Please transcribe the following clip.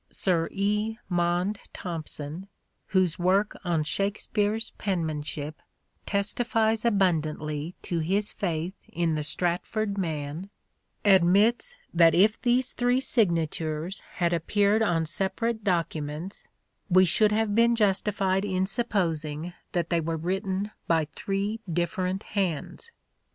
Sir E. Maunde Thompson, whose work on " Shakespeare's Penmanship " testifies abundantly to his faith in the Stratford man, admits that if these three signatures had appeared on separate documents we should have been justified in supposing that they were written by three different hands.